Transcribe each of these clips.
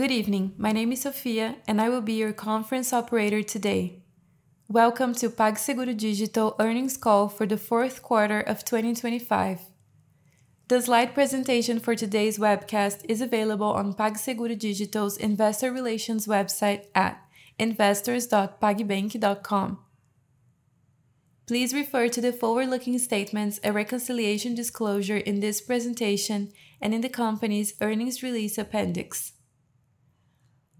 Good evening. My name is Sophia and I will be your conference operator today. Welcome to PagSeguro Digital Earnings Call for the Fourth Quarter of 2025. The slide presentation for today's webcast is available on PagSeguro Digital's investor relations website at investors.pagbank.com. Please refer to the forward-looking statements, a reconciliation disclosure in this presentation and in the company's earnings release appendix.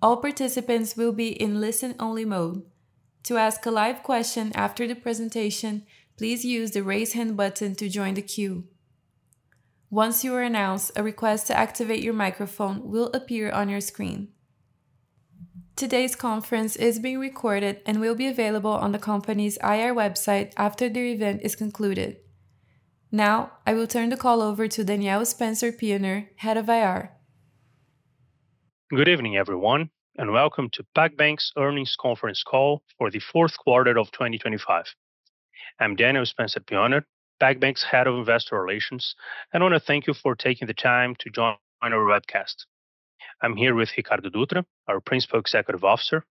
All participants will be in listen-only mode. To ask a live question after the presentation, please use the Raise Hand button to join the queue. Once you are announced, a request to activate your microphone will appear on your screen. Today's conference is being recorded and will be available on the company's IR website after the event is concluded. Now, I will turn the call over to Daniel Spencer, Head of IR. Good evening, everyone, and welcome to PagBank's Earnings Conference Call for the Fourth Quarter of 2025. I'm Daniel Spencer, PagBank's Head of Investor Relations, and I wanna thank you for taking the time to join our webcast. I'm here with Ricardo Dutra, our Principal Executive Officer,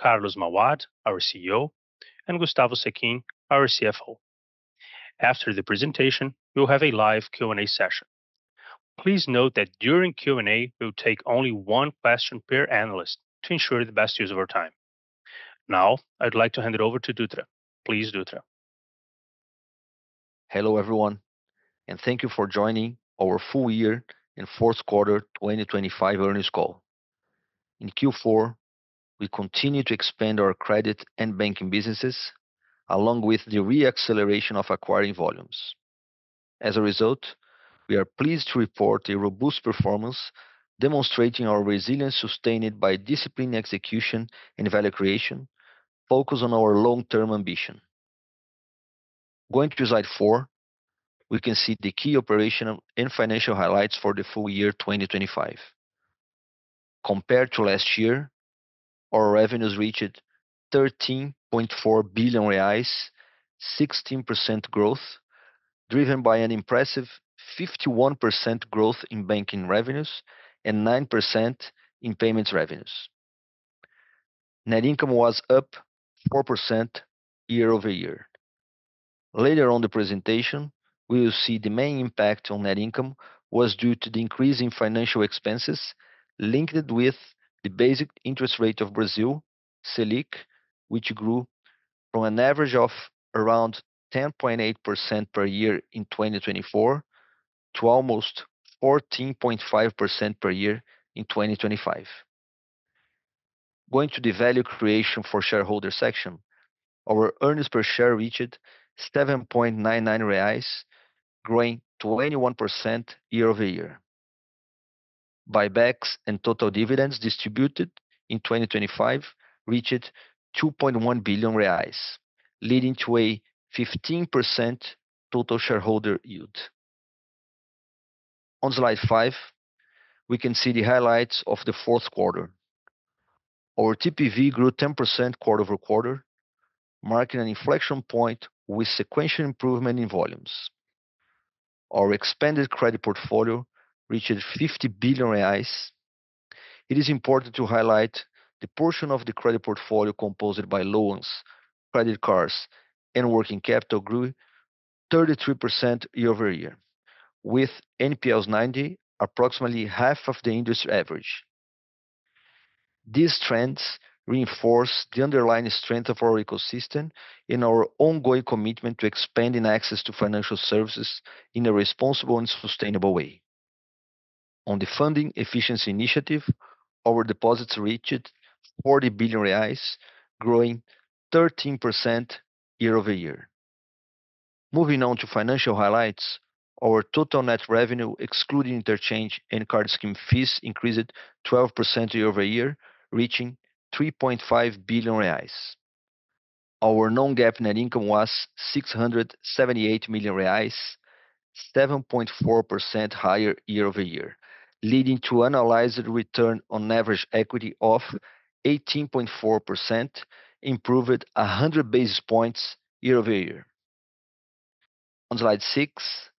Carlos Mauad, our CEO, and Gustavo Sechin, our CFO. After the presentation, we'll have a live Q&A session. Please note that during Q&A, we'll take only one question per analyst to ensure the best use of our time. Now, I'd like to hand it over to Dutra. Please, Dutra. Hello, everyone, and thank you for joining our full year in fourth quarter 2025 earnings call. In Q4, we continued to expand our credit and banking businesses, along with the re-acceleration of acquiring volumes. As a result, we are pleased to report a robust performance demonstrating our resilience sustained by disciplined execution and value creation, focused on our long-term ambition. Going to slide four, we can see the key operational and financial highlights for the full year 2025. Compared to last year, our revenues reached 13.4 billion reais, 16% growth, driven by an impressive 51% growth in banking revenues and 9% in payments revenues. Net income was up 4% year-over-year. Later on the presentation, we will see the main impact on net income was due to the increase in financial expenses linked with the basic interest rate of Brazil, Selic, which grew from an average of around 10.8% per year in 2024 to almost 14.5% per year in 2025. Going to the value creation for shareholder section, our earnings per share reached 7.99 reais, growing 21% year-over-year. Buybacks and total dividends distributed in 2025 reached 2.1 billion reais, leading to a 15% total shareholder yield. On slide five, we can see the highlights of the fourth quarter. Our TPV grew 10% quarter-over-quarter, marking an inflection point with sequential improvement in volumes. Our expanded credit portfolio reached 50 billion reais. It is important to highlight the portion of the credit portfolio composed of loans, credit cards, and working capital that grew 33% year-over-year, with NPL 90 approximately half of the industry average. These trends reinforce the underlying strength of our ecosystem and our ongoing commitment to expanding access to financial services in a responsible and sustainable way. On the funding efficiency initiative, our deposits reached 40 billion reais, growing 13% year-over-year. Moving on to financial highlights, our total net revenue, excluding interchange and card scheme fees, increased 12% year-over-year, reaching 3.5 billion reais. Our non-GAAP net income was 678 million reais, 7.4% higher year-over-year, leading to annualized return on average equity of 18.4%, improved 100 basis points year-over-year. On slide six,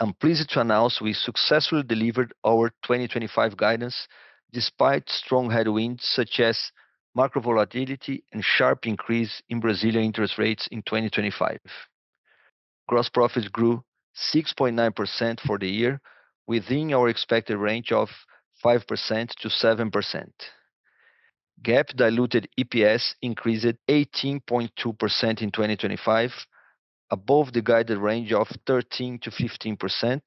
I'm pleased to announce we successfully delivered our 2025 guidance despite strong headwinds, such as macro volatility and sharp increase in Brazilian interest rates in 2025. Gross profits grew 6.9% for the year within our expected range of 5%-7%. GAAP diluted EPS increased 18.2% in 2025, above the guided range of 13%-15%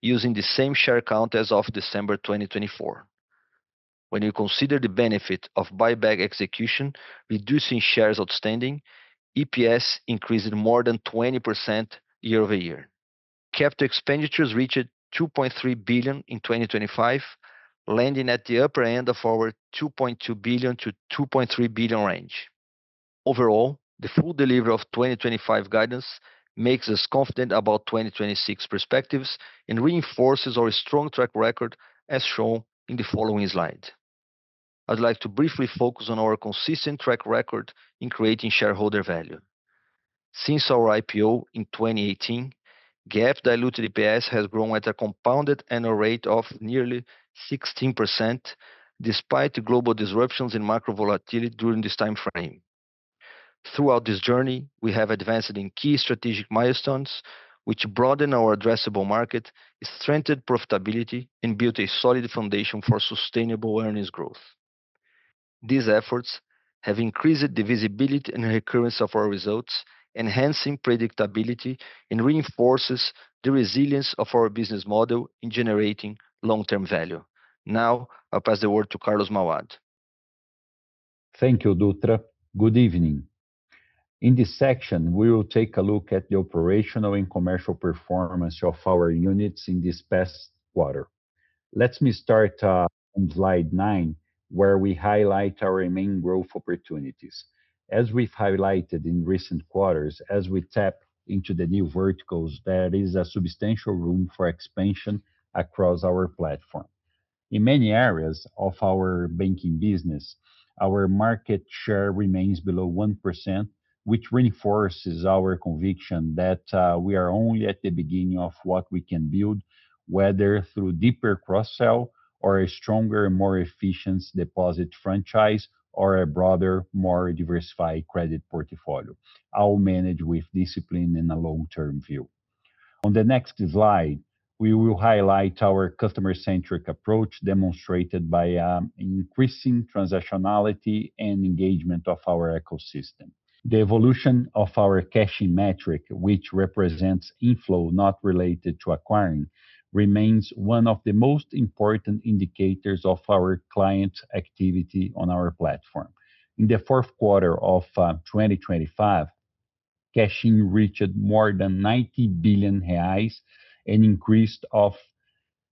using the same share count as of December 2024. When you consider the benefit of buyback execution, reducing shares outstanding, EPS increased more than 20% year over year. CapEx expenditures reached 2.3 billion in 2025, landing at the upper end of our 2.2 billion-2.3 billion range. Overall, the full delivery of 2025 guidance makes us confident about 2026 perspectives and reinforces our strong track record as shown in the following slide. I'd like to briefly focus on our consistent track record in creating shareholder value. Since our IPO in 2018, GAAP diluted EPS has grown at a compounded annual rate of nearly 16% despite global disruptions in macro volatility during this time frame. Throughout this journey, we have advanced in key strategic milestones which broaden our addressable market, strengthened profitability and built a solid foundation for sustainable earnings growth. These efforts have increased the visibility and recurrence of our results, enhancing predictability and reinforces the resilience of our business model in generating long-term value. Now I'll pass the word to Carlos Mauad. Thank you, Dutra. Good evening. In this section, we will take a look at the operational and commercial performance of our units in this past quarter. Let me start on slide nine, where we highlight our main growth opportunities. As we've highlighted in recent quarters, as we tap into the new verticals, there is a substantial room for expansion across our platform. In many areas of our banking business, our market share remains below 1%, which reinforces our conviction that we are only at the beginning of what we can build, whether through deeper cross-sell or a stronger, more efficient deposit franchise, or a broader, more diversified credit portfolio. I'll manage with discipline and a long-term view. On the next slide, we will highlight our customer-centric approach demonstrated by increasing transactionality and engagement of our ecosystem. The evolution of our cash-in metric, which represents inflow not related to acquiring, remains one of the most important indicators of our clients' activity on our platform. In the fourth quarter of 2025, cash-in reached more than 90 billion reais, an increase of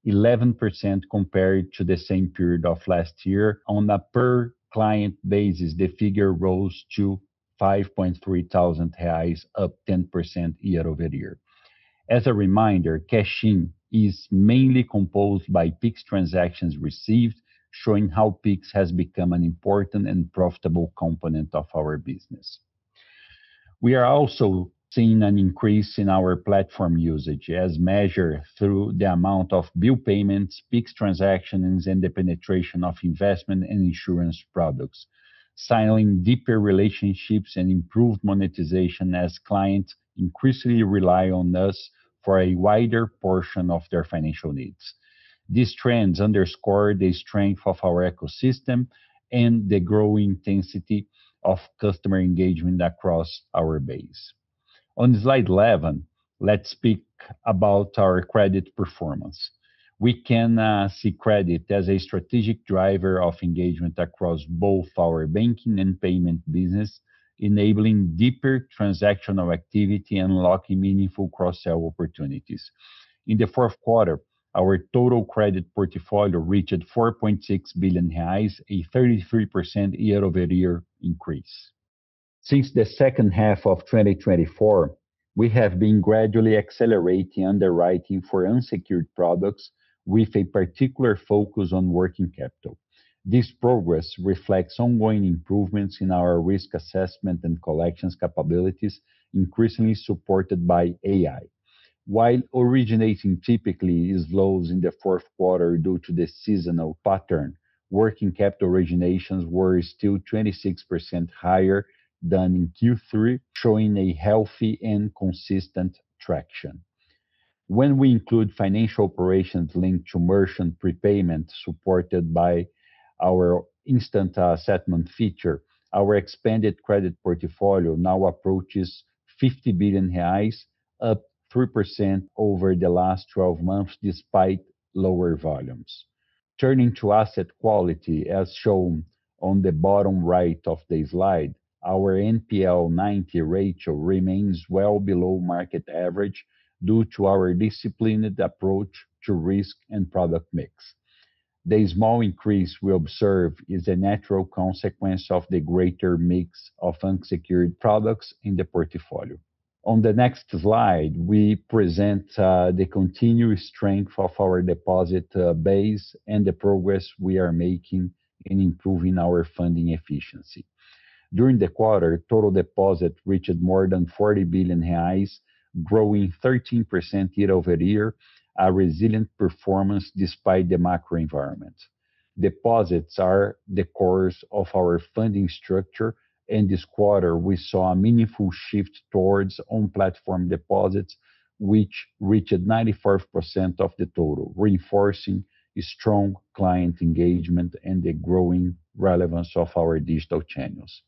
11% compared to the same period of last year. On a per-client basis, the figure rose to 5.3 thousand reais up 10% year-over-year. As a reminder, cash-in is mainly composed by Pix transactions received, showing how Pix has become an important and profitable component of our business. We are also seeing an increase in our platform usage as measured through the amount of bill payments, Pix transactions and the penetration of investment and insurance products, signing deeper relationships and improved monetization as clients increasingly rely on us for a wider portion of their financial needs. These trends underscore the strength of our ecosystem and the growing intensity of customer engagement across our base. On slide 11, let's speak about our credit performance. We can see credit as a strategic driver of engagement across both our banking and payment business, enabling deeper transactional activity, unlocking meaningful cross-sell opportunities. In the fourth quarter, our total credit portfolio reached 4.6 billion reais, a 33% year-over-year increase. Since the second half of 2024, we have been gradually accelerating underwriting for unsecured products with a particular focus on working capital. This progress reflects ongoing improvements in our risk assessment and collections capabilities, increasingly supported by AI. While originating typically hits lows in the fourth quarter due to the seasonal pattern, working capital originations were still 26% higher than in Q3, showing a healthy and consistent traction. When we include financial operations linked to merchant prepayment supported by our instant settlement feature, our expanded credit portfolio now approaches 50 billion reais, up 3% over the last 12 months despite lower volumes. Turning to asset quality, as shown on the bottom right of the slide, our NPL 90 ratio remains well below market average due to our disciplined approach to risk and product mix. The small increase we observe is a natural consequence of the greater mix of unsecured products in the portfolio. On the next slide, we present the continuous strength of our deposit base and the progress we are making in improving our funding efficiency. During the quarter, total deposit reached more than 40 billion reais, growing 13% year-over-year, a resilient performance despite the macro environment. Deposits are the core of our funding structure. In this quarter, we saw a meaningful shift towards on-platform deposits, which reached 94% of the total, reinforcing strong client engagement and the growing relevance of our digital channels.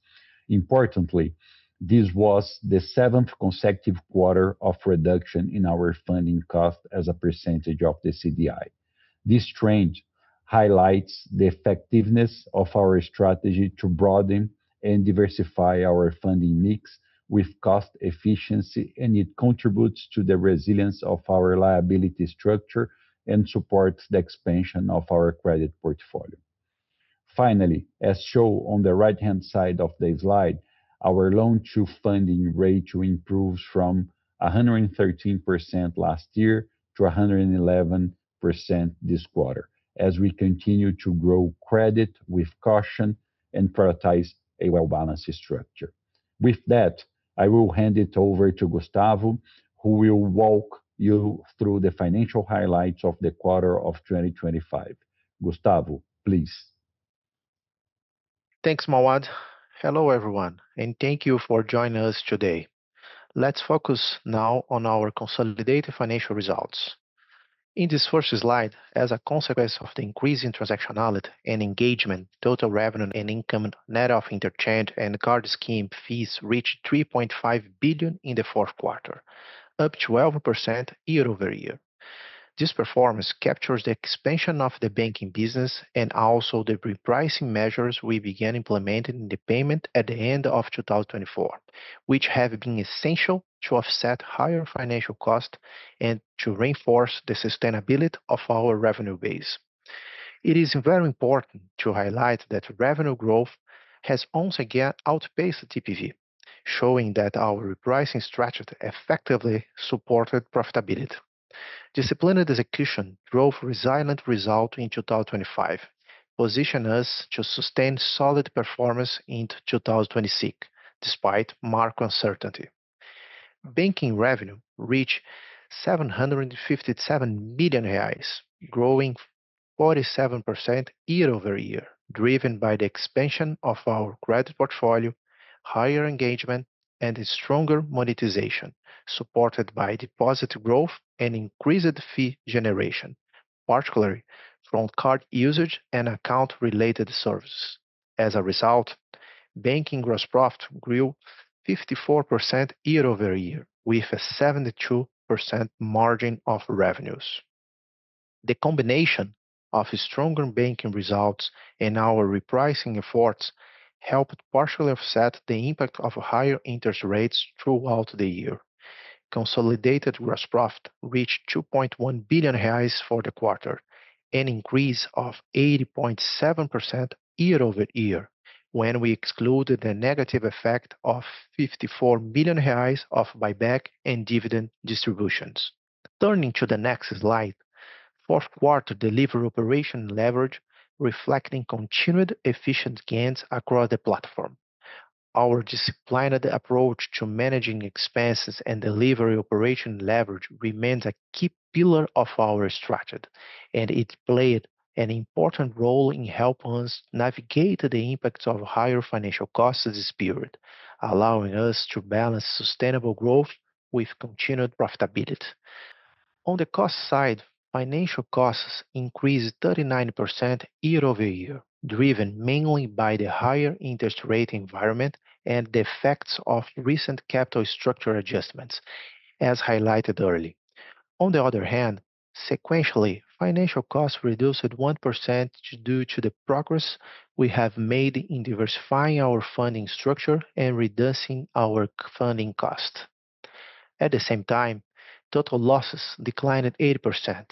Importantly, this was the seventh consecutive quarter of reduction in our funding cost as a percentage of the CDI. This trend highlights the effectiveness of our strategy to broaden and diversify our funding mix with cost efficiency, and it contributes to the resilience of our liability structure and supports the expansion of our credit portfolio. Finally, as shown on the right-hand side of the slide, our loan-to-funding ratio improves from 113% last year to 111% this quarter as we continue to grow credit with caution and prioritize a well-balanced structure. With that, I will hand it over to Gustavo, who will walk you through the financial highlights of the quarter of 2025. Gustavo, please. Thanks, Mauad. Hello, everyone, and thank you for joining us today. Let's focus now on our consolidated financial results. In this first slide, as a consequence of the increase in transactionality and engagement, total revenue and income net of interchange and card scheme fees reached 3.5 billion in the fourth quarter, up 12% year-over-year. This performance captures the expansion of the banking business and also the repricing measures we began implementing in the payment at the end of 2024, which have been essential to offset higher financial cost and to reinforce the sustainability of our revenue base. It is very important to highlight that revenue growth has once again outpaced TPV, showing that our repricing strategy effectively supported profitability. Disciplined execution drove resilient result in 2025, position us to sustain solid performance into 2026 despite market uncertainty. Banking revenue reached 757 million reais, growing 47% year-over-year, driven by the expansion of our credit portfolio, higher engagement and a stronger monetization, supported by deposit growth and increased fee generation, particularly from card usage and account-related services. Banking gross profit grew 54% year-over-year with a 72% margin of revenues. The combination of stronger banking results and our repricing efforts helped partially offset the impact of higher interest rates throughout the year. Consolidated gross profit reached 2.1 billion reais for the quarter, an increase of 80.7% year-over-year when we excluded the negative effect of 54 billion reais of buyback and dividend distributions. Turning to the next slide, fourth quarter delivered operational leverage reflecting continued efficiency gains across the platform. Our disciplined approach to managing expenses and delivering operational leverage remains a key pillar of our strategy, and it played an important role in helping us navigate the impacts of higher financial costs this period, allowing us to balance sustainable growth with continued profitability. On the cost side, financial costs increased 39% year-over-year, driven mainly by the higher interest rate environment and the effects of recent capital structure adjustments, as highlighted earlier. On the other hand, sequentially, financial costs reduced by 1% due to the progress we have made in diversifying our funding structure and reducing our funding cost. At the same time, total losses declined by 80%,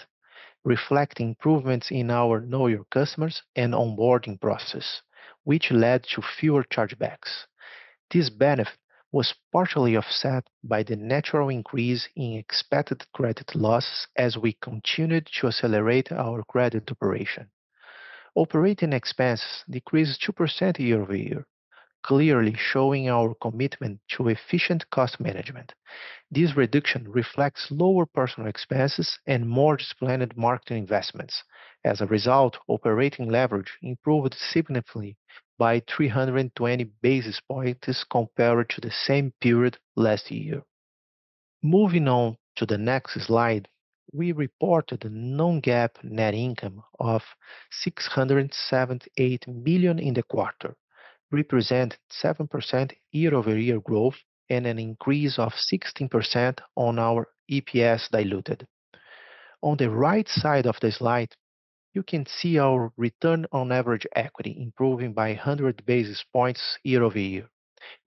reflecting improvements in our Know Your Customer and onboarding process, which led to fewer chargebacks. This benefit was partially offset by the natural increase in expected credit losses as we continued to accelerate our credit operation. Operating expenses decreased 2% year-over-year, clearly showing our commitment to efficient cost management. This reduction reflects lower personnel expenses and more disciplined marketing investments. As a result, operating leverage improved significantly by 320 basis points compared to the same period last year. Moving on to the next slide, we reported a non-GAAP net income of 678 billion in the quarter, representing 7% year-over-year growth and an increase of 16% on our EPS diluted. On the right side of the slide, you can see our return on average equity improving by 100 basis points year-over-year,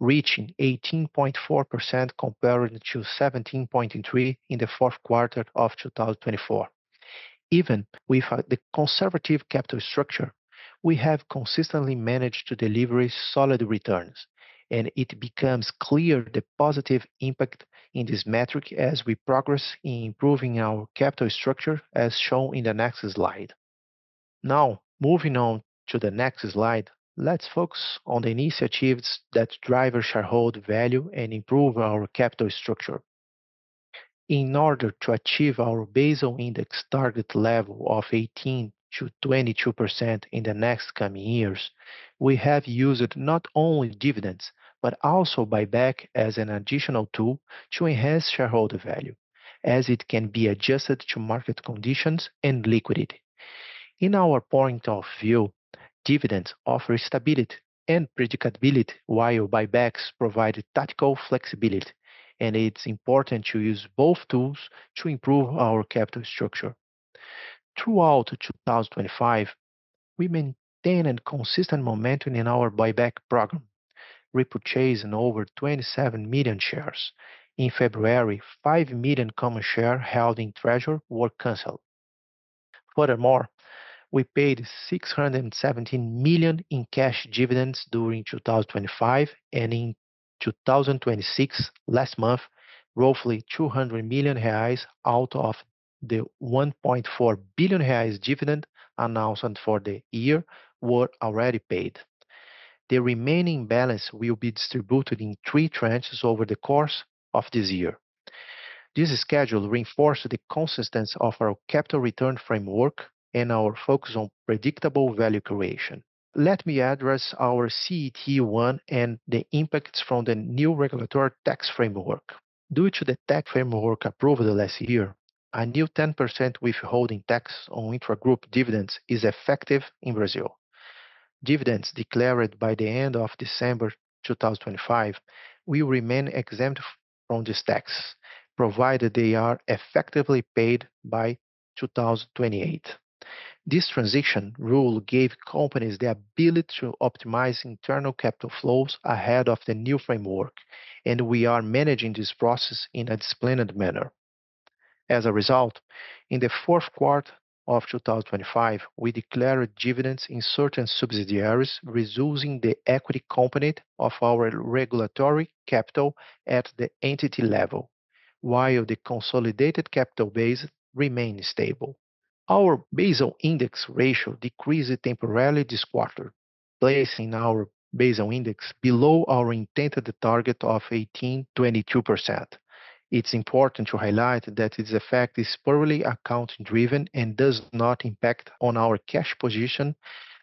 reaching 18.4% compared to 17.3 in the fourth quarter of 2024. Even with the conservative capital structure, we have consistently managed to deliver solid returns, and it becomes clear the positive impact in this metric as we progress in improving our capital structure, as shown in the next slide. Now, moving on to the next slide, let's focus on the initiatives that drive shareholder value and improve our capital structure. In order to achieve our Basel Index target level of 18%-22% in the next coming years, we have used not only dividends, but also buyback as an additional tool to enhance shareholder value, as it can be adjusted to market conditions and liquidity. In our point of view, dividends offer stability and predictability while buybacks provide tactical flexibility, and it's important to use both tools to improve our capital structure. Throughout 2025, we maintained consistent momentum in our buyback program, repurchasing over 27 million shares. In February, 5 million common shares held in treasury were canceled. Furthermore, we paid 617 million in cash dividends during 2025, and in 2026, last month, roughly 200 million reais out of the 1.4 billion reais dividend announced for the year were already paid. The remaining balance will be distributed in three tranches over the course of this year. This schedule reinforced the consistency of our capital return framework and our focus on predictable value creation. Let me address our CET1 and the impacts from the new regulatory tax framework. Due to the tax framework approved last year, a new 10% withholding tax on intragroup dividends is effective in Brazil. Dividends declared by the end of December 2025 will remain exempt from this tax, provided they are effectively paid by 2028. This transition rule gave companies the ability to optimize internal capital flows ahead of the new framework, and we are managing this process in a disciplined manner. As a result, in the fourth quarter of 2025, we declared dividends in certain subsidiaries, reducing the equity component of our regulatory capital at the entity level, while the consolidated capital base remained stable. Our Basel Index ratio decreased temporarily this quarter, placing our Basel Index below our intended target of 18%-22%. It's important to highlight that its effect is purely account-driven and does not impact on our cash position,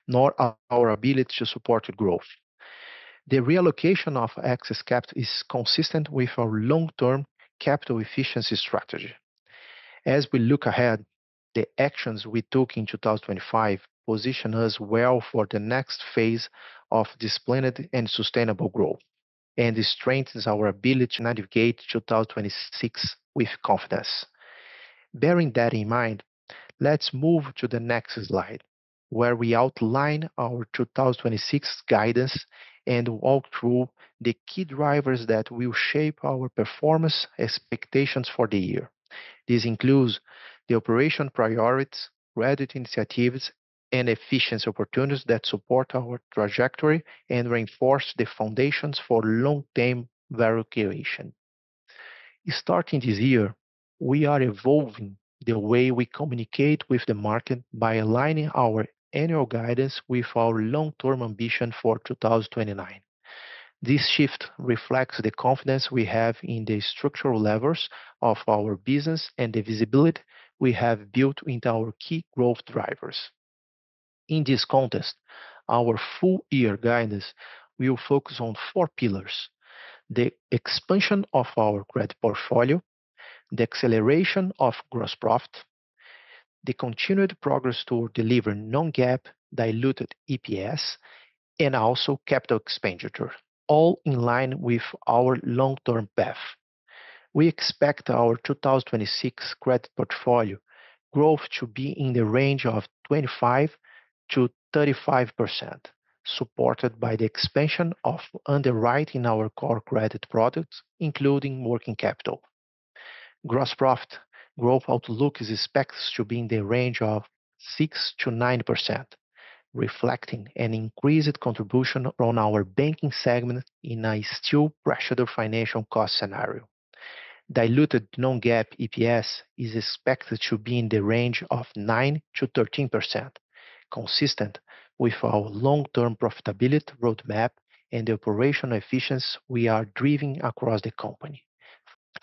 nor our ability to support growth. The reallocation of excess capital is consistent with our long-term capital efficiency strategy. As we look ahead, the actions we took in 2025 position us well for the next phase of disciplined and sustainable growth, and it strengthens our ability to navigate 2026 with confidence. Bearing that in mind, let's move to the next slide, where we outline our 2026 guidance and walk through the key drivers that will shape our performance expectations for the year. This includes the operational priorities, credit initiatives, and efficiency opportunities that support our trajectory and reinforce the foundations for long-term value creation. Starting this year, we are evolving the way we communicate with the market by aligning our annual guidance with our long-term ambition for 2029. This shift reflects the confidence we have in the structural levels of our business and the visibility we have built into our key growth drivers. In this context, our full-year guidance will focus on four pillars, the expansion of our credit portfolio, the acceleration of gross profit, the continued progress to deliver non-GAAP diluted EPS, and also capital expenditure, all in line with our long-term path. We expect our 2026 credit portfolio growth to be in the range of 25%-35%, supported by the expansion of underwriting our core credit products, including working capital. Gross profit growth outlook is expected to be in the range of 6%-9%, reflecting an increased contribution on our banking segment in a still pressured financial cost scenario. Diluted non-GAAP EPS is expected to be in the range of 9%-13%, consistent with our long-term profitability roadmap and the operational efficiency we are driving across the company.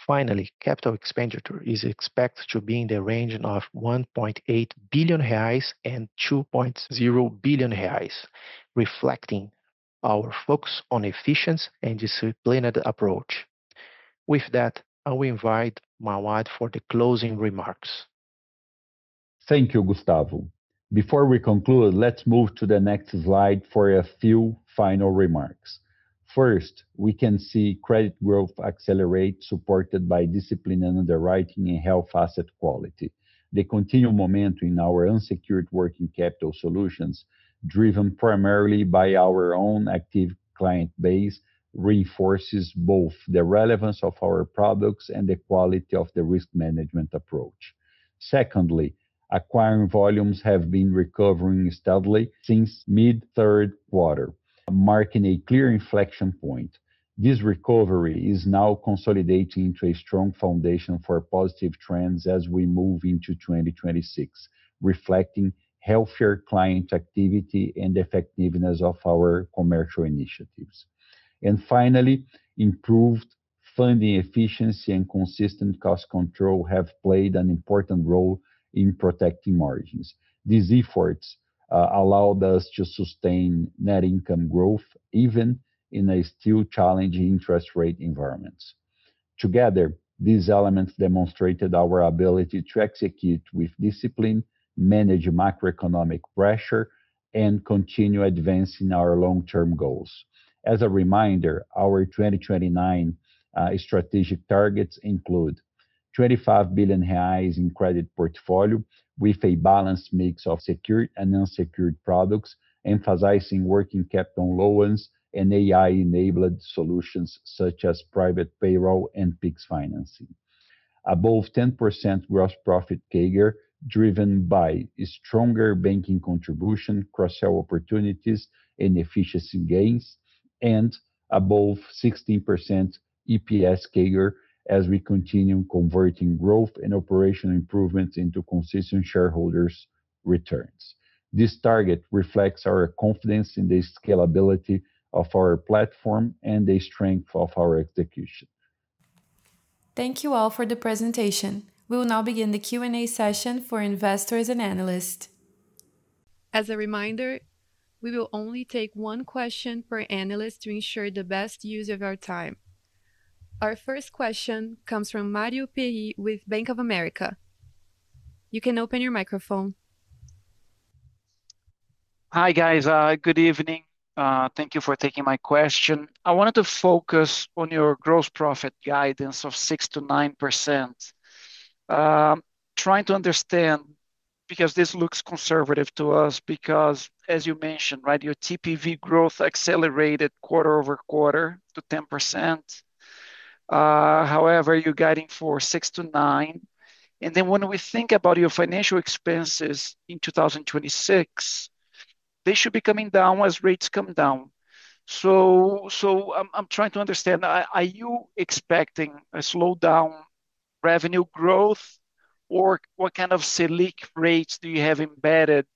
Finally, capital expenditure is expected to be in the range of 1.8 billion-2.0 billion reais, reflecting our focus on efficiency and disciplined approach. With that, I will invite Mauad for the closing remarks. Thank you, Gustavo. Before we conclude, let's move to the next slide for a few final remarks. First, we can see credit growth accelerate, supported by disciplined underwriting and healthy asset quality. The continued momentum in our unsecured working capital solutions, driven primarily by our own active client base, reinforces both the relevance of our products and the quality of the risk management approach. Secondly, acquiring volumes have been recovering steadily since mid third quarter, marking a clear inflection point. This recovery is now consolidating into a strong foundation for positive trends as we move into 2026, reflecting healthier client activity and effectiveness of our commercial initiatives. Finally, improved funding efficiency and consistent cost control have played an important role in protecting margins. These efforts allowed us to sustain net income growth even in a still challenging interest rate environment. Together, these elements demonstrated our ability to execute with discipline, manage macroeconomic pressure, and continue advancing our long-term goals. As a reminder, our 2029 strategic targets include 25 billion reais in credit portfolio with a balanced mix of secured and unsecured products, emphasizing working capital loans and AI-enabled solutions such as private payroll and Pix financing. Above 10% gross profit CAGR, driven by a stronger banking contribution, cross-sell opportunities, and efficiency gains, and above 16% EPS CAGR as we continue converting growth and operational improvements into consistent shareholders re- Returns. This target reflects our confidence in the scalability of our platform and the strength of our execution. Thank you all for the presentation. We will now begin the Q&A session for investors and analysts. As a reminder, we will only take one question per analyst to ensure the best use of our time. Our first question comes from Mario Pierry with Bank of America. You can open your microphone. Hi, guys. Good evening. Thank you for taking my question. I wanted to focus on your gross profit guidance of 6%-9%. Trying to understand, because this looks conservative to us because as you mentioned, right, your TPV growth accelerated quarter-over-quarter to 10%. However, you're guiding for 6%-9%, and then when we think about your financial expenses in 2026, they should be coming down as rates come down. I'm trying to understand. Are you expecting a slowdown in revenue growth, or what kind of Selic rates do you have embedded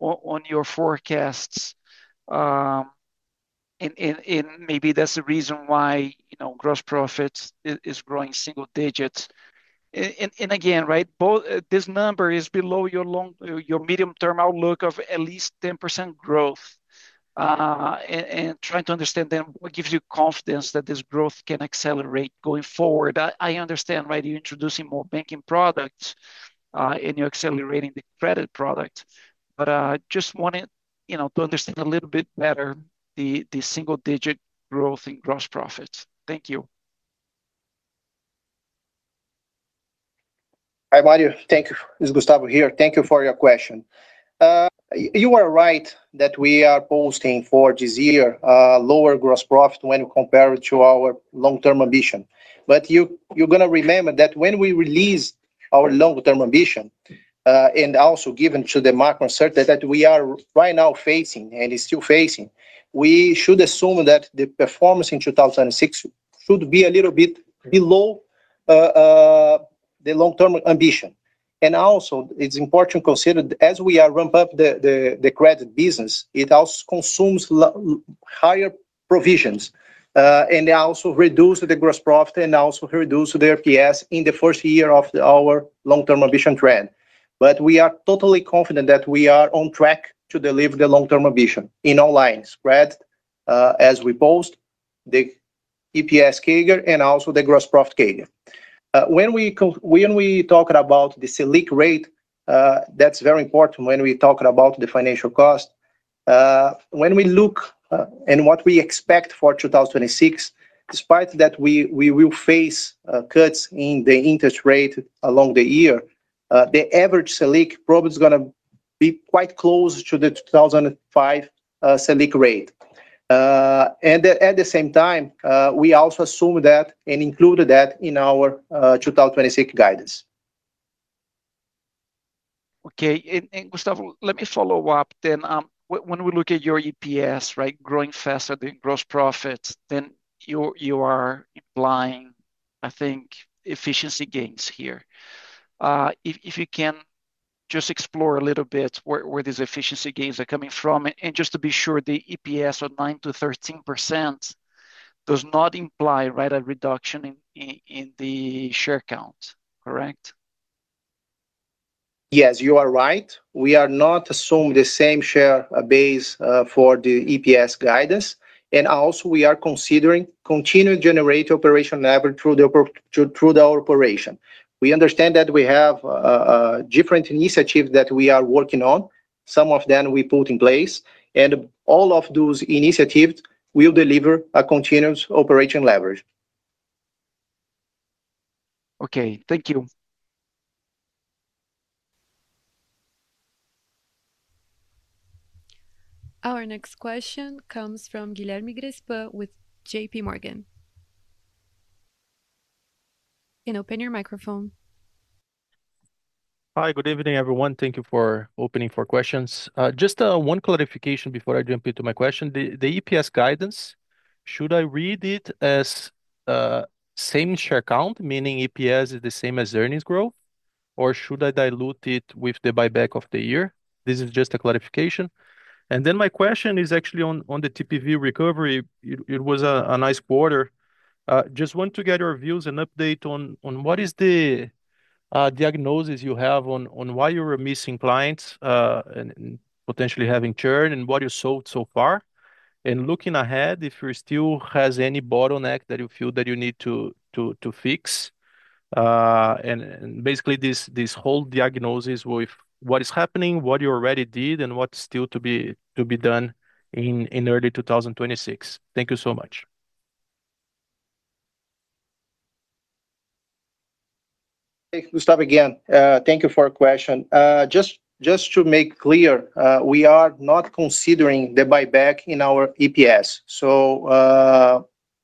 in your forecasts? And maybe that's the reason why, you know, gross profit is growing single digits. Again, right, this number is below your medium-term outlook of at least 10% growth. Trying to understand then what gives you confidence that this growth can accelerate going forward. I understand, right, you're introducing more banking products, and you're accelerating the credit product. Just wanted, you know, to understand a little bit better the single digit growth in gross profits. Thank you. Hi, Mario. Thank you. It's Gustavo here. Thank you for your question. You are right that we are posting for this year lower gross profit when compared to our long-term ambition. You are going to remember that when we release our long-term ambition, and also given the market uncertainty that we are right now facing and is still facing, we should assume that the performance in 2006 should be a little bit below the long-term ambition. It's important to consider as we ramp up the credit business, it also consumes higher provisions, and also reduce the gross profit and also reduce the EPS in the first year of our long-term ambition trend. We are totally confident that we are on track to deliver the long-term ambition in all lines: credit, as we post, the EPS CAGR, and also the gross profit CAGR. When we talk about the Selic rate, that's very important when we talk about the financial cost. When we look and what we expect for 2026, despite that we will face cuts in the interest rate along the year, the average Selic probably is gonna be quite close to the 2025 Selic rate. And at the same time, we also assume that and included that in our 2026 guidance. Okay. Gustavo, let me follow up then. When we look at your EPS, right, growing faster than gross profits, you are implying, I think, efficiency gains here. If you can just explore a little bit where these efficiency gains are coming from. Just to be sure, the EPS of 9%-13% does not imply, right, a reduction in the share count, correct? Yes, you are right. We are not assuming the same share base for the EPS guidance. We are also considering continuing to generate operational leverage through the operation. We understand that we have different initiatives that we are working on. Some of them we put in place, and all of those initiatives will deliver a continuous operation leverage. Okay. Thank you. Our next question comes from Guilherme Grespan with JPMorgan. You can open your microphone. Hi. Good evening, everyone. Thank you for opening for questions. Just one clarification before I jump into my question. The EPS guidance, should I read it as same share count, meaning EPS is the same as earnings growth, or should I dilute it with the buyback of the year? This is just a clarification. Then my question is actually on the TPV recovery. It was a nice quarter. Just want to get your views and update on what is the diagnosis you have on why you were missing clients and potentially having churn and what you sold so far. Looking ahead, if you still has any bottleneck that you feel that you need to fix. Basically this whole diagnosis with what is happening, what you already did, and what's still to be done in early 2026. Thank you so much. Hey, Gustavo again. Thank you for your question. Just to make clear, we are not considering the buyback in our EPS.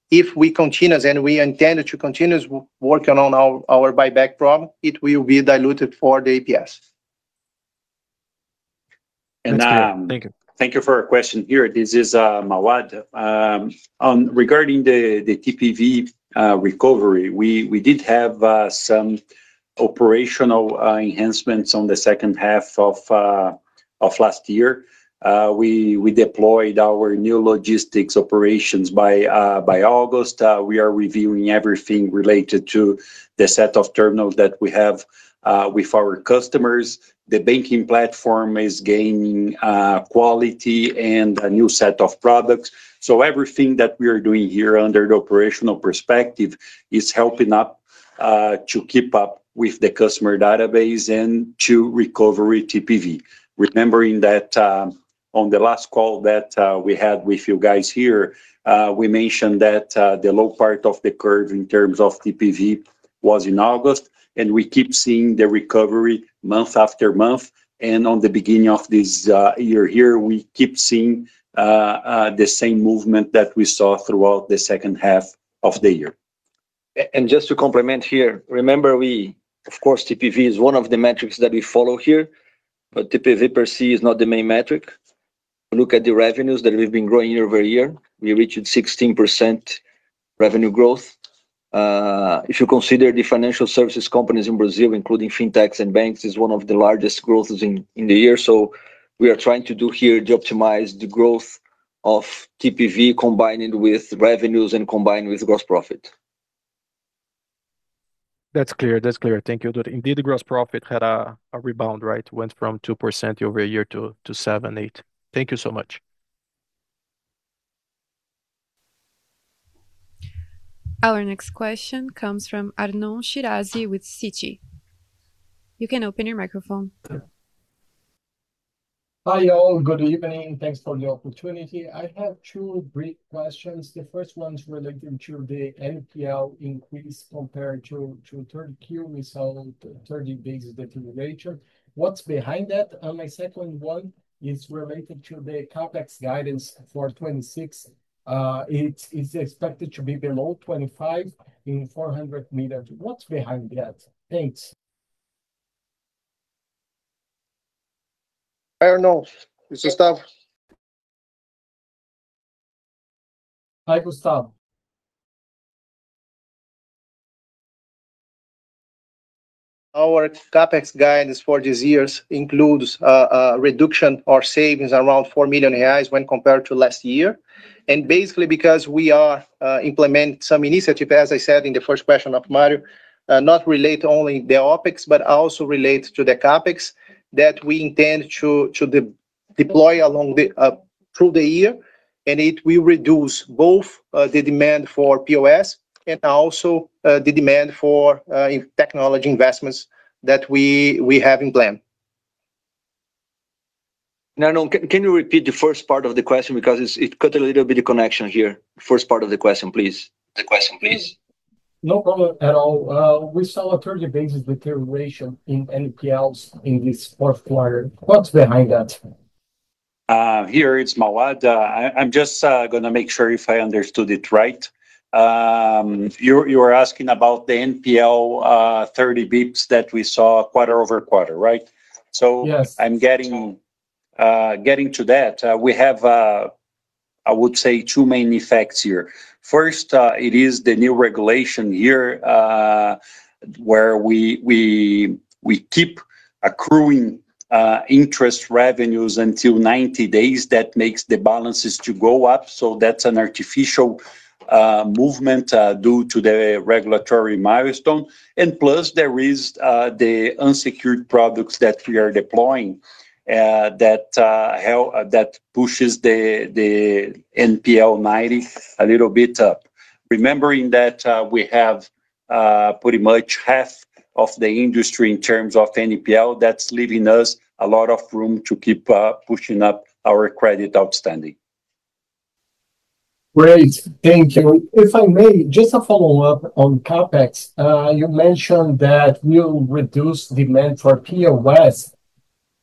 If we continue then we intend to continue working on our buyback program, it will be diluted for the EPS. And, um- Thank you. Thank you for your question. Here, this is Mauad. Regarding the TPV recovery, we did have some operational enhancements on the second half of last year. We deployed our new logistics operations by August. We are reviewing everything related to the set of terminals that we have with our customers. The banking platform is gaining quality and a new set of products. Everything that we are doing here under the operational perspective is helping us to keep up with the customer database and to recover TPV. Remembering that, on the last call that we had with you guys here, we mentioned that the low part of the curve in terms of TPV was in August, and we keep seeing the recovery month after month. On the beginning of this year here, we keep seeing the same movement that we saw throughout the second half of the year. Just to complement here, remember we. Of course, TPV is one of the metrics that we follow here, but TPV per se is not the main metric. Look at the revenues that we've been growing year-over-year. We reached 16% revenue growth. If you consider the financial services companies in Brazil, including fintechs and banks, is one of the largest growths in the year. We are trying to do here to optimize the growth of TPV combined with revenues and combined with gross profit. That's clear. Thank you. Indeed, the gross profit had a rebound, right? Went from 2% year-over-year to 7%-8%. Thank you so much. Our next question comes from Arnon Shirazi with Citi. You can open your microphone. Hi, all. Good evening. Thanks for the opportunity. I have two brief questions. The first one is related to the NPL increase compared to third Q. We saw 30 basis points deterioration. What's behind that? My second one is related to the CapEx guidance for 2026. It is expected to be below 25 in 400 million. What's behind that? Thanks. I don't know. It's Gustavo. Hi, Gustavo. Our CapEx guidance for these years includes a reduction or savings around 4 million reais when compared to last year. Basically, because we are implementing some initiative, as I said in the first question of Mario, not related only to the OpEx, but also related to the CapEx that we intend to deploy through the year. It will reduce both the demand for POS and also the demand for technology investments that we have planned. Now, Arnon, can you repeat the first part of the question? Because it's, it cut a little bit of connection here. First part of the question, please. The question, please. No problem at all. We saw a 30 basis deterioration in NPLs in this fourth quarter. What's behind that? Here it's Mauad. I'm just gonna make sure if I understood it right. You're asking about the NPL, 30 basis points that we saw quarter-over-quarter, right? Yes I'm getting to that. We have, I would say two main effects here. First, it is the new regulation here, where we keep accruing interest revenues until 90 days. That makes the balances to go up, so that's an artificial movement due to the regulatory milestone. Plus there is the unsecured products that we are deploying that pushes the NPL ninety a little bit up. Remembering that, we have pretty much half of the industry in terms of NPL, that's leaving us a lot of room to keep pushing up our credit outstanding. Great. Thank you. If I may, just a follow-up on CapEx. You mentioned that we'll reduce demand for POS.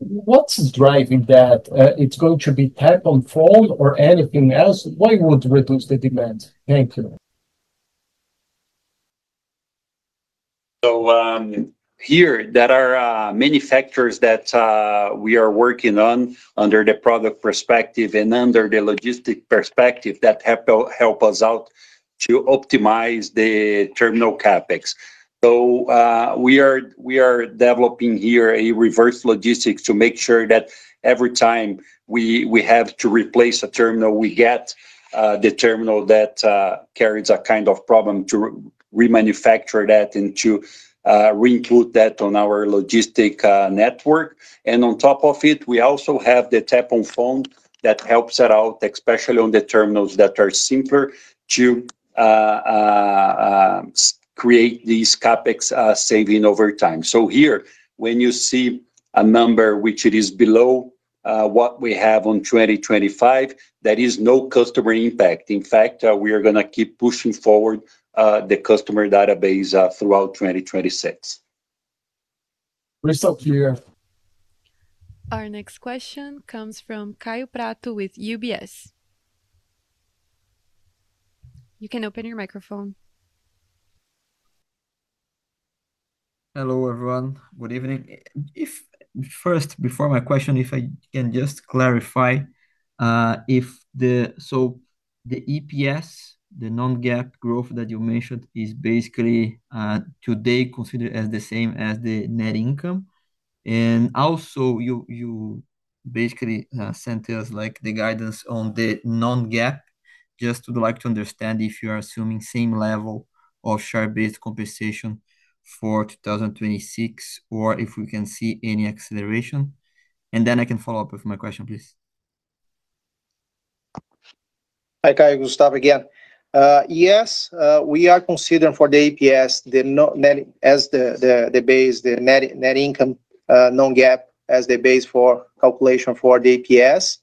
What's driving that? It's going to be Tap on Phone or anything else? Why would reduce the demand? Thank you. Here there are many factors that we are working on under the product perspective and under the logistics perspective that help us out to optimize the terminal CapEx. We are developing here a reverse logistics to make sure that every time we have to replace a terminal, we get the terminal that carries a kind of problem to remanufacture that and to reuse that on our logistics network. And on top of it, we also have the Tap on Phone that helps us out, especially on the terminals that are simpler to create these CapEx saving over time. Here when you see a number which it is below what we have on 2025, there is no customer impact. In fact, we are gonna keep pushing forward the customer database throughout 2026. Result clear. Our next question comes from Kaio Prato with UBS. You can open your microphone. Hello, everyone. Good evening. First, before my question, if I can just clarify. So the EPS, the non-GAAP growth that you mentioned is basically today considered as the same as the net income. Also you basically sent us like the guidance on the non-GAAP. Just would like to understand if you are assuming same level of share-based compensation for 2026, or if we can see any acceleration. Then I can follow up with my question, please. Hi, Kaio. Gustavo again. We are considering for the EPS the net income non-GAAP as the base for calculation for the EPS.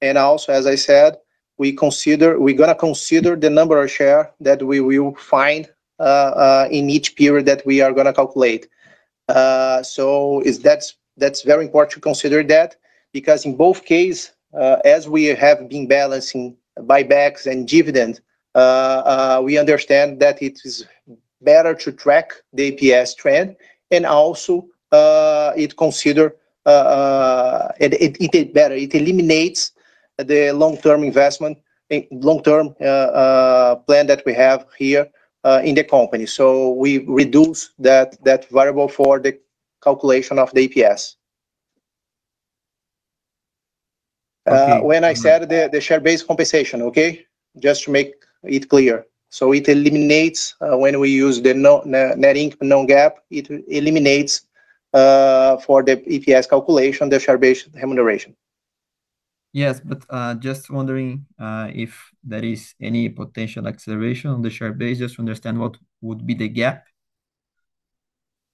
As I said, we're gonna consider the number of share that we will find in each period that we are gonna calculate. That's very important to consider that because in both case, as we have been balancing buybacks and dividends, we understand that it is better to track the EPS trend and also, it consider it better. It eliminates the long-term investment and long-term plan that we have here in the company. We reduce that variable for the calculation of the EPS. Okay. When I said the share-based compensation, okay? Just to make it clear. It eliminates, when we use the non-GAAP, it eliminates for the EPS calculation, the share-based remuneration. Just wondering if there is any potential acceleration on the share base just to understand what would be the gap.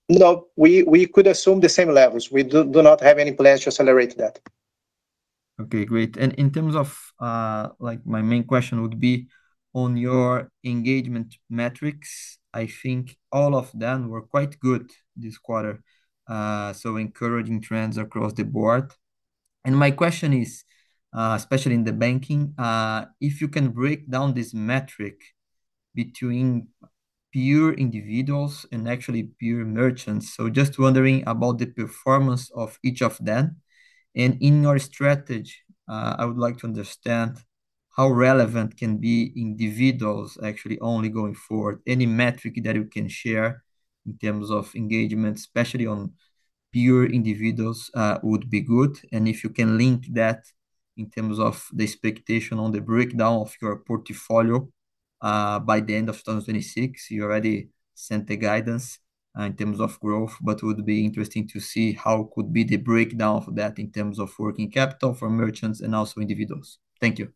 No. We could assume the same levels. We do not have any plans to accelerate that. Okay, great. In terms of, like my main question would be on your engagement metrics. I think all of them were quite good this quarter, so encouraging trends across the board. My question is, especially in the banking, if you can break down this metric between pure individuals and actually pure merchants. Just wondering about the performance of each of them. In your strategy, I would like to understand how relevant can be individuals actually only going forward. Any metric that you can share in terms of engagement, especially on pure individuals, would be good. If you can link that in terms of the expectation on the breakdown of your portfolio, by the end of 2026. You already sent the guidance in terms of growth, but would be interesting to see how could be the breakdown of that in terms of working capital for merchants and also individuals? Thank you.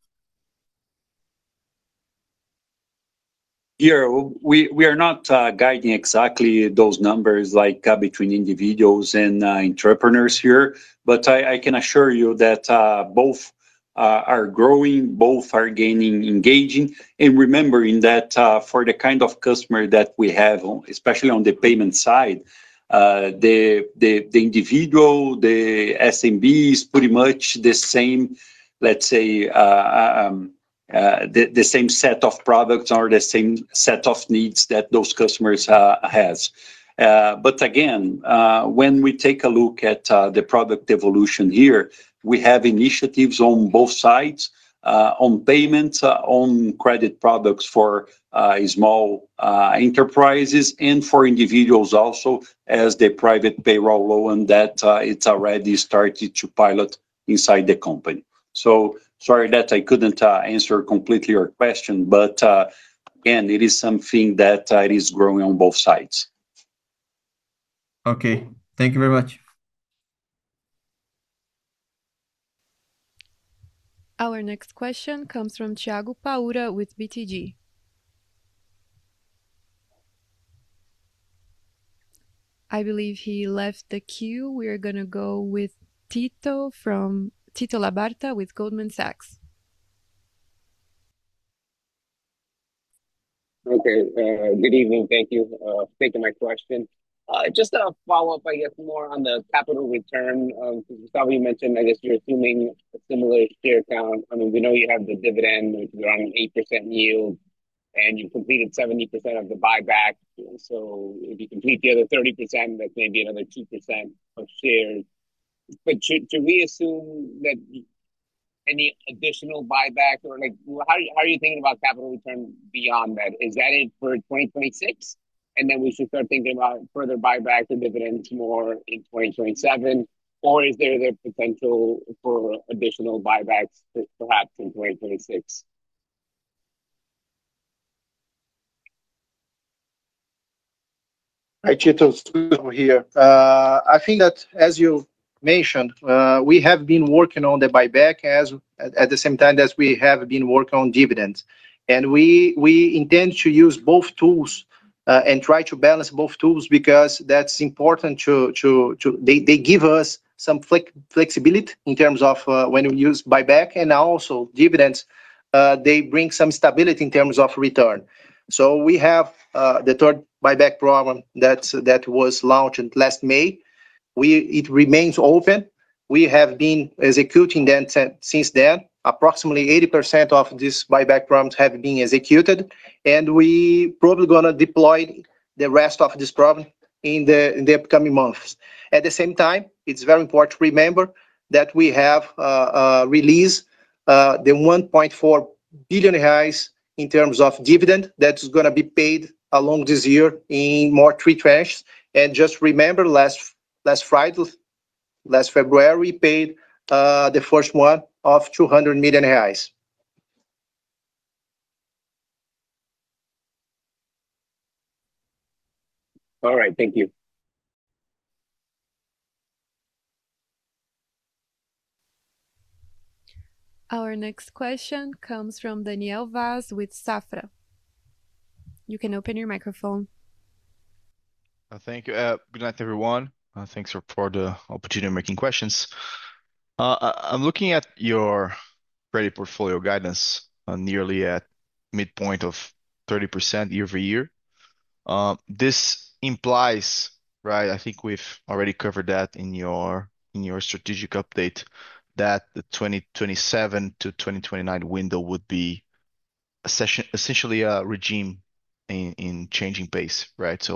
Yeah. We are not guiding exactly those numbers like between individuals and entrepreneurs here. I can assure you that both are growing, both are gaining, engaging. Remembering that for the kind of customer that we have on, especially on the payment side, the individual, the SMB is pretty much the same, let's say, the same set of products or the same set of needs that those customers has. But again, when we take a look at the product evolution here, we have initiatives on both sides, on payments, on credit products for small enterprises and for individuals also as the private payroll loan that it's already started to pilot inside the company. Sorry that I couldn't answer completely your question, but again, it is something that is growing on both sides. Okay. Thank you very much. Our next question comes from Thiago Paura with BTG. I believe he left the queue. We are gonna go with Tito Labarta with Goldman Sachs. Okay. Good evening. Thank you for taking my question. Just a follow-up, I guess more on the capital return. Gustavo, you mentioned, I guess you're assuming a similar share count. I mean, we know you have the dividend, you're on 8% yield, and you completed 70% of the buyback. If you complete the other 30%, that may be another 2% of shares. Should we assume that any additional buyback or like how are you thinking about capital return beyond that? Is that it for 2026, and then we should start thinking about further buyback and dividends more in 2027? Is there the potential for additional buybacks perhaps in 2026? Hi, Tito. It's Gustavo here. I think that, as you mentioned, we have been working on the buyback at the same time as we have been working on dividends. We intend to use both tools and try to balance both tools because that's important to. They give us some flexibility in terms of when we use buyback and also dividends. They bring some stability in terms of return. We have the third buyback program that was launched last May. It remains open. We have been executing them since then. Approximately 80% of these buyback programs have been executed, and we probably gonna deploy the rest of this program in the upcoming months. At the same time, it's very important to remember that we have released the 1.4 billion reais in terms of dividend that is gonna be paid along this year in three more tranches. Just remember, last Friday, last February, paid the first one of BRL 200 million. All right. Thank you. Our next question comes from Daniel Vaz with Safra. You can open your microphone. Thank you. Good night, everyone. Thanks for the opportunity in making questions. I'm looking at your credit portfolio guidance, nearly at midpoint of 30% year-over-year. This implies, right, I think we've already covered that in your strategic update, that the 2027 to 2029 window would be essentially a regime in changing pace, right?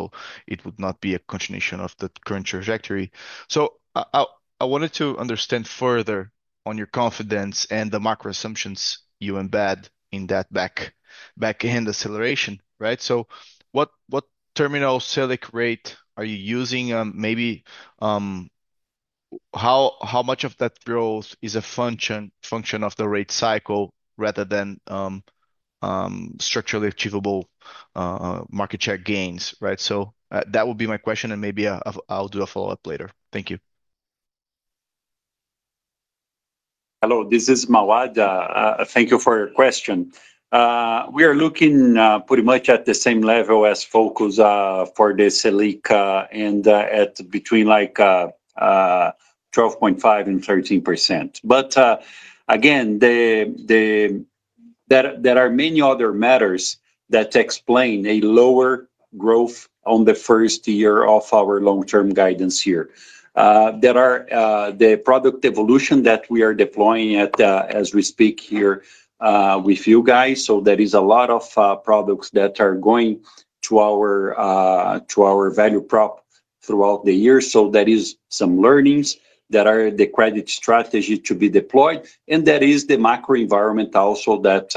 It would not be a continuation of the current trajectory. I wanted to understand further on your confidence and the macro assumptions you embed in that backend acceleration, right? What terminal Selic rate are you using? Maybe, how much of that growth is a function of the rate cycle rather than structurally achievable market share gains, right? That would be my question and maybe I'll do a follow-up later. Thank you. Hello, this is Mauad. Thank you for your question. We are looking pretty much at the same level as Focus for the Selic and at between like 12.5% and 13%. Again, there are many other matters that explain a lower growth on the first year of our long-term guidance here. There are the product evolution that we are deploying at as we speak here with you guys. There is a lot of products that are going to our value prop throughout the year. That is some learnings that are the credit strategy to be deployed, and that is the macro environment also that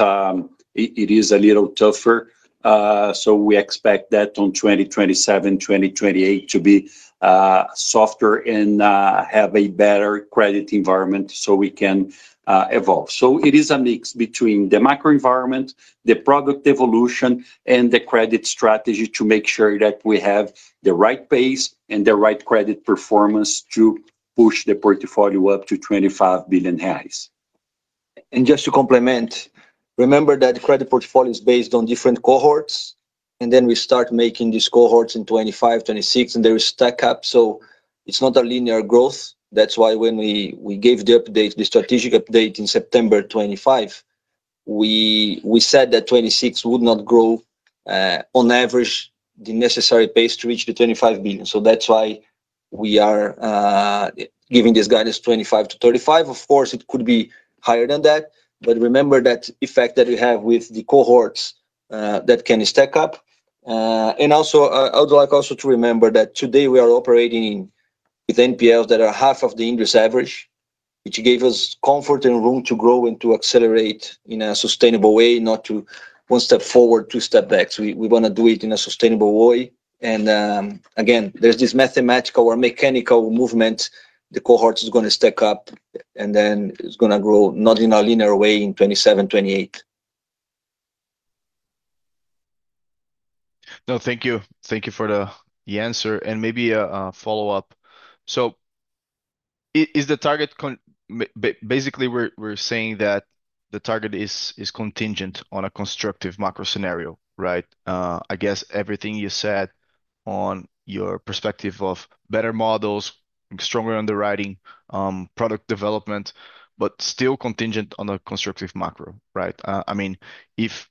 it is a little tougher. We expect that on 2027, 2028 to be softer and have a better credit environment so we can evolve. It is a mix between the macro environment, the product evolution, and the credit strategy to make sure that we have the right pace and the right credit performance to push the portfolio up to 25 billion reais. Just to complement, remember that credit portfolio is based on different cohorts, and then we start making these cohorts in 2025, 2026, and they will stack up, so it's not a linear growth. That's why when we gave the update, the strategic update in September 2025, we said that 2026 would not grow on average the necessary pace to reach the 25 billion. That's why we are giving this guidance 25 billion-35 billion. Of course, it could be higher than that, but remember that effect that we have with the cohorts that can stack up. I would like also to remember that today we are operating with NPLs that are half of the industry's average, which gave us comfort and room to grow and to accelerate in a sustainable way, not one step forward, two steps back. We wanna do it in a sustainable way. Again, there's this mathematical or mechanical movement. The cohorts is gonna stack up, and then it's gonna grow not in a linear way in 2027, 2028. No, thank you. Thank you for the answer and maybe a follow-up. Is the target basically we're saying that the target is contingent on a constructive macro scenario, right? I guess everything you said on your perspective of better models, stronger underwriting, product development, but still contingent on a constructive macro, right? I mean, if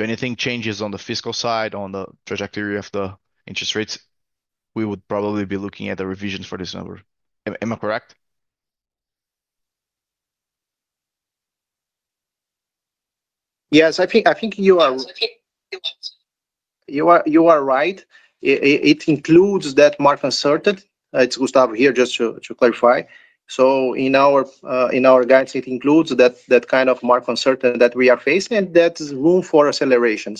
anything changes on the fiscal side, on the trajectory of the interest rates, we would probably be looking at the revisions for this number. Am I correct? Yes, I think you are. Yes, I think you are. You are right. It includes that macro uncertainty. It's Gustavo here, just to clarify. In our guidance, it includes that kind of macro uncertainty that we are facing, and that leaves room for acceleration.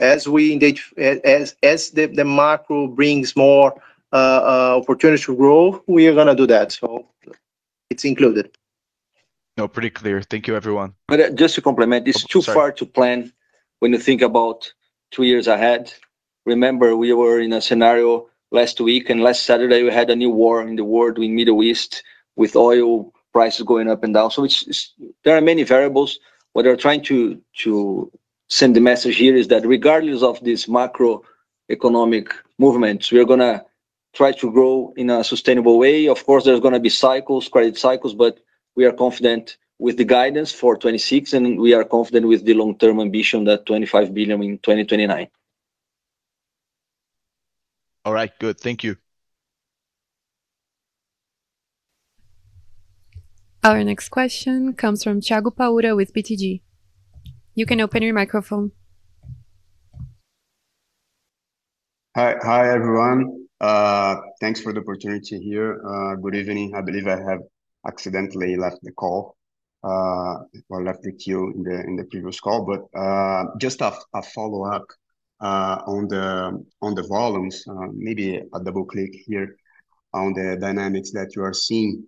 As the macro brings more opportunities to grow, we are gonna do that. It's included. No, pretty clear. Thank you, everyone. Just to complement. Sorry. It's too far to plan when you think about two years ahead. Remember, we were in a scenario last week, and last Saturday we had a new war in the world in Middle East with oil prices going up and down. There are many variables. What we are trying to send the message here is that regardless of these macroeconomic movements, we are gonna try to grow in a sustainable way. Of course, there's gonna be cycles, credit cycles, but we are confident with the guidance for 2026, and we are confident with the long-term ambition that 25 billion in 2029. All right, good. Thank you. Our next question comes from Thiago Paura with BTG. You can open your microphone. Hi. Hi, everyone. Thanks for the opportunity here. Good evening. I believe I have accidentally left the call or left the queue in the previous call. Just a follow-up on the volumes. Maybe a double-click here on the dynamics that you are seeing.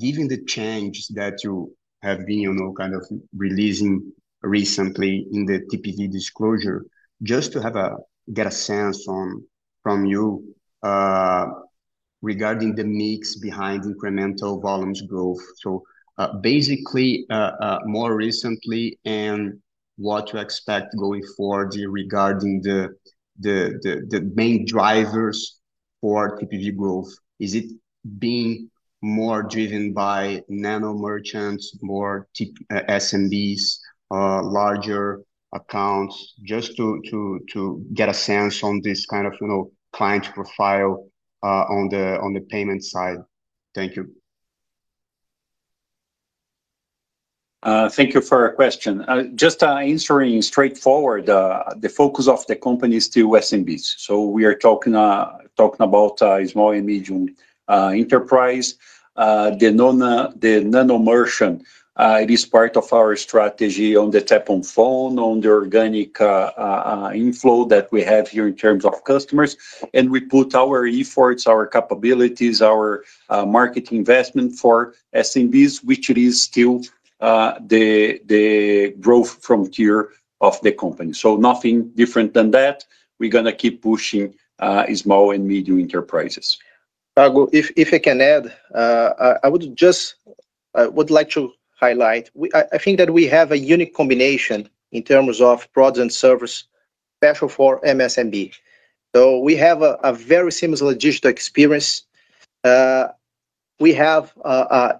Given the change that you have been, you know, kind of releasing recently in the TPV disclosure, just to get a sense from you regarding the mix behind incremental volumes growth. Basically, more recently and what to expect going forward regarding the main drivers for TPV growth. Is it being more driven by nano merchants, more SMBs, larger accounts? Just to get a sense on this kind of, you know, client profile, on the payment side. Thank you. Thank you for your question. Just answering straightforward, the focus of the company is still SMBs, so we are talking about small and medium enterprise. The nano merchant it is part of our strategy on the Tap on Phone, on the organic inflow that we have here in terms of customers. We put our efforts, our capabilities, our market investment for SMBs, which it is still the growth frontier of the company. Nothing different than that. We're gonna keep pushing small and medium enterprises. Thiago, if I can add, I would like to highlight, I think that we have a unique combination in terms of product and service specially for MSMB. We have a very seamless logistical experience. We have a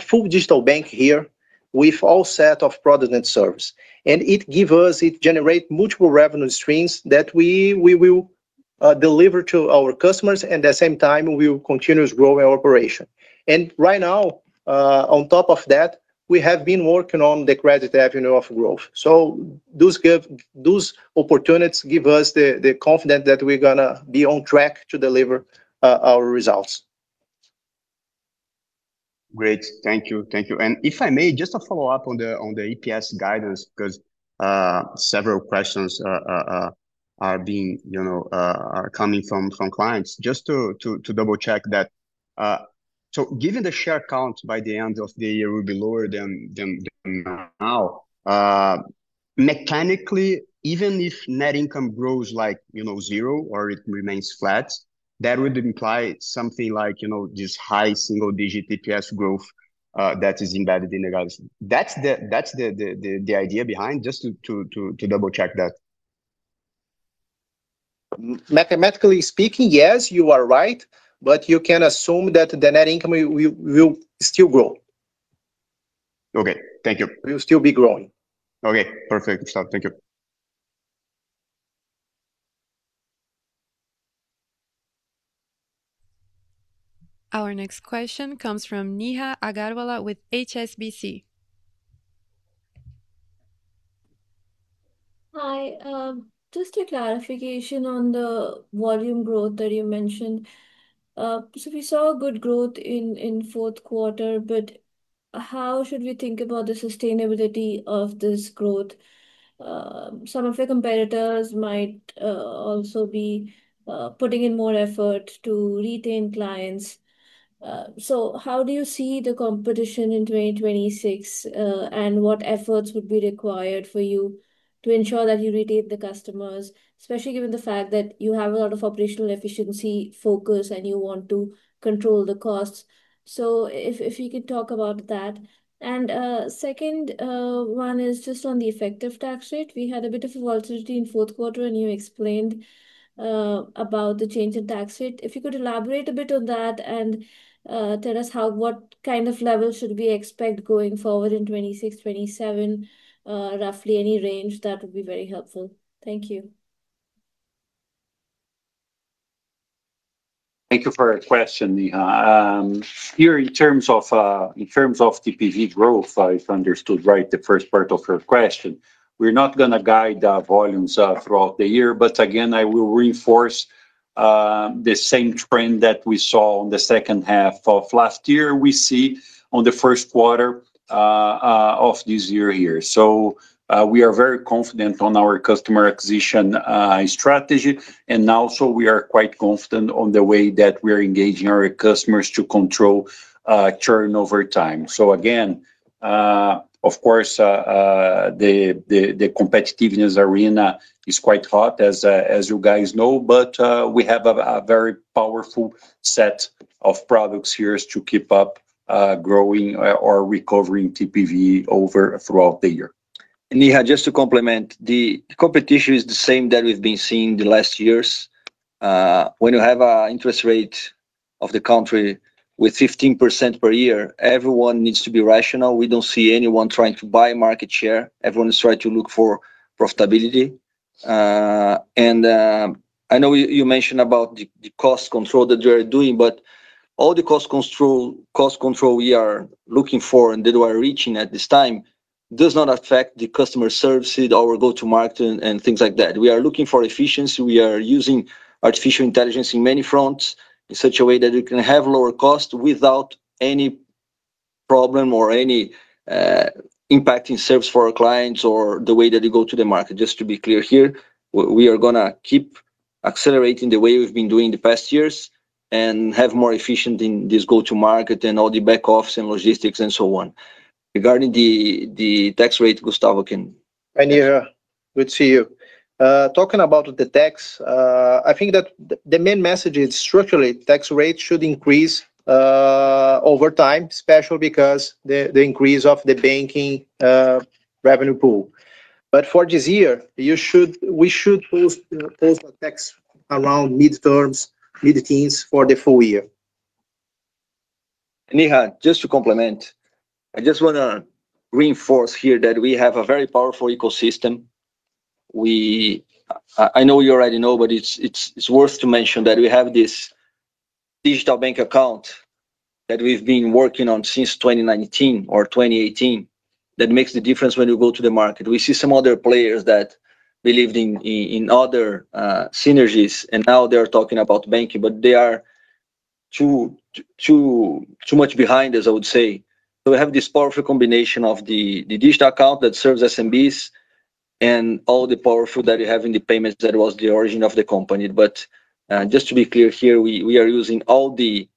full digital bank here with all set of product and service. It give us, it generate multiple revenue streams that we will deliver to our customers, at the same time we will continue to grow our operation. Right now, on top of that, we have been working on the credit avenue of growth. Those opportunities give us the confidence that we're gonna be on track to deliver our results. Great. Thank you. If I may, just to follow up on the EPS guidance, because several questions, you know, are coming from clients. Just to double-check that. So given the share count by the end of the year will be lower than now, mechanically, even if net income grows like, you know, zero or it remains flat, that would imply something like, you know, this high single-digit EPS growth that is embedded in the guidance. That's the idea behind? Just to double-check that. Mathematically speaking, yes, you are right, but you can assume that the net income will still grow. Okay. Thank you. Will still be growing. Okay. Perfect. Stop. Thank you. Our next question comes from Neha Agarwala with HSBC. Hi. Just a clarification on the volume growth that you mentioned. We saw a good growth in fourth quarter, but how should we think about the sustainability of this growth? Some of the competitors might also be putting in more effort to retain clients. How do you see the competition in 2026, and what efforts would be required for you to ensure that you retain the customers, especially given the fact that you have a lot of operational efficiency focus and you want to control the costs. If you could talk about that. Second one is just on the effective tax rate. We had a bit of a volatility in fourth quarter, and you explained about the change in tax rate. If you could elaborate a bit on that and tell us what kind of level should we expect going forward in 2026, 2027, roughly. Any range, that would be very helpful. Thank you. Thank you for your question, Neha. Here in terms of TPV growth, if I understood right the first part of your question, we're not gonna guide the volumes throughout the year. Again, I will reinforce the same trend that we saw on the second half of last year, we see on the first quarter of this year here. We are very confident on our customer acquisition strategy. And also we are quite confident on the way that we're engaging our customers to control churn over time. Again, of course, the competitiveness arena is quite hot as you guys know. We have a very powerful set of products here to keep up growing or recovering TPV throughout the year. Neha, just to complement, the competition is the same that we've been seeing the last years. When you have an interest rate Of the country with 15% per year, everyone needs to be rational. We don't see anyone trying to buy market share. Everyone is trying to look for profitability. I know you mentioned about the cost control that you are doing, but all the cost control we are looking for and that we are reaching at this time does not affect the customer services, our go-to-market and things like that. We are looking for efficiency. We are using artificial intelligence in many fronts in such a way that we can have lower cost without any problem or any impact in service for our clients or the way that they go to the market. Just to be clear here, we are gonna keep accelerating the way we've been doing the past years and have more efficient in this go-to-market and all the back office and logistics and so on. Regarding the tax rate, Gustavo can- Yeah, good to see you. Talking about the tax, I think that the main message is structurally tax rates should increase over time, especially because the increase of the banking revenue pool. For this year, we should post tax around mid-teens for the full year. Neha, just to complement, I just wanna reinforce here that we have a very powerful ecosystem. I know you already know, but it's worth to mention that we have this digital bank account that we've been working on since 2019 or 2018 that makes the difference when you go to the market. We see some other players that believed in other synergies, and now they're talking about banking, but they are too much behind as I would say. We have this powerful combination of the digital account that serves SMBs and all the powerful that you have in the payments that was the origin of the company. Just to be clear here, we are using all the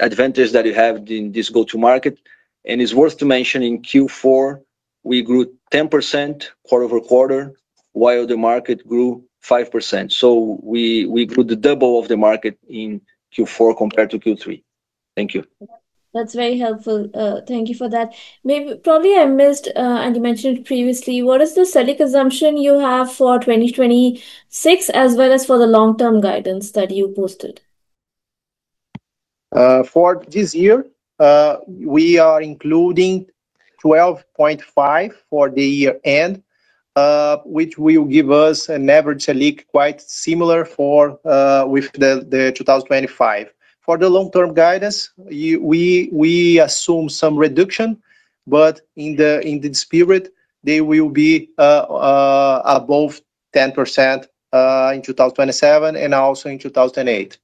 advantage that you have in this go-to-market. It's worth to mention in Q4, we grew 10% quarter-over-quarter, while the market grew 5%. We grew the double of the market in Q4 compared to Q3. Thank you. That's very helpful. Thank you for that. Probably I missed, you mentioned previously, what is the Selic assumption you have for 2026 as well as for the long-term guidance that you posted? For this year, we are including 12.5 for the year-end, which will give us an average Selic quite similar with the 2025. For the long-term guidance, we assume some reduction, but in the spirit, they will be above 10% in 2027 and also in 2028.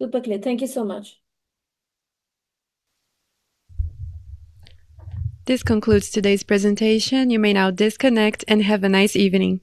Super clear. Thank you so much. This concludes today's presentation. You may now disconnect and have a nice evening.